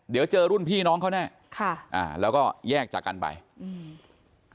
เดี๋ยวเจอรุ่นพี่น้องเขาแน่ค่ะอ่าแล้วก็แยกจากกันไปอืม